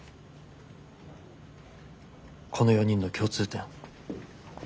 この４人の共通点。